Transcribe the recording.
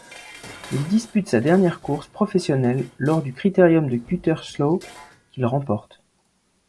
Il dispute sa dernière course professionnelle lors du critérium de Gütersloh, qu'il remporte.